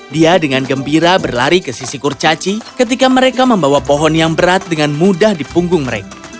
dia dengan gembira berlari ke sisi kurcaci ketika mereka membawa pohon yang berat dengan mudah di punggung mereka